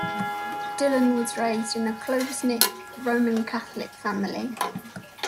Dillon was raised in a close-knit Roman Catholic family.